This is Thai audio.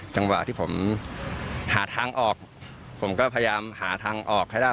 จังหวะที่ผมก็พยายามหาทางออกให้ได้